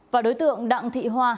và đối tượng đặng thị hoa